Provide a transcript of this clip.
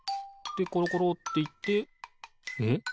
でコロコロっていってえっ？